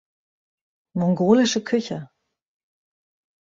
Mongolische Küche